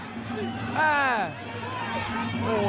อ้าว